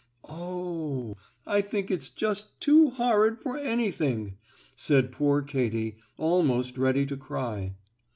"Oh, I think it's just too horrid for anything!" said poor Katy, almost ready to cry.